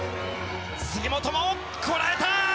杉本もこらえた！